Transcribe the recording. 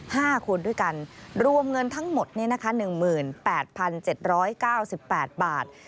ห้าคนด้วยกันรวมเงินทั้งหมดเนี่ยนะคะหนึ่งหมื่นแปดพันเจ็ดร้อยเก้าสิบแปดบาท